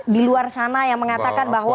di luar sana yang mengatakan bahwa